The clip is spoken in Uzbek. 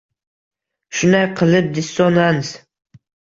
Shunday qilib, dissonans